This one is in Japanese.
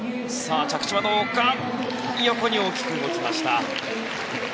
着地は横に大きく動きました。